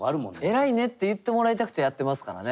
「偉いね」って言ってもらいたくてやってますからね。